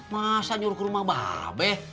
masa nyuruh ke rumah mbak be